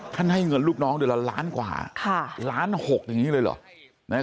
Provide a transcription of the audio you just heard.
ให้เงินลูกน้องเดือนละล้านกว่าล้านหกอย่างนี้เลยเหรอ